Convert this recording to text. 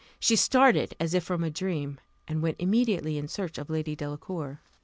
She started as if from a dream, and went immediately in search of Lady Delacour.